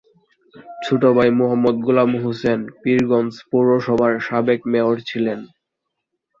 ছোট ভাই মোহাম্মদ গোলাম হোসেন পীরগঞ্জ পৌরসভার সাবেক মেয়র ছিলেন।